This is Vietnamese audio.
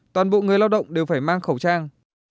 toàn bộ người lao động đều phải mang khẩu trang